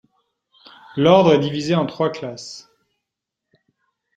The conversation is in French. L'Ordre est divisé en trois classes.